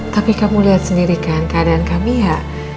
tapi kamu lihat sendiri kan keadaan kami ya